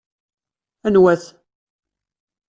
Anwa-t?